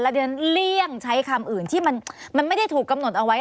เดี๋ยวเลี่ยงใช้คำอื่นที่มันไม่ได้ถูกกำหนดเอาไว้